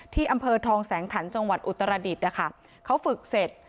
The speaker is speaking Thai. ที่อำเภอทองแสงขันจังหวัดอุตรดิษฐ์นะคะเขาฝึกเสร็จ